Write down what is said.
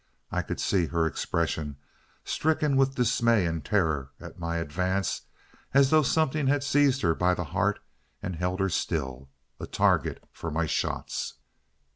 I could see her expression, stricken with dismay and terror, at my advance, as though something had seized her by the heart and held her still—a target for my shots.